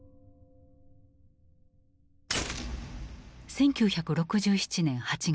１９６７年８月。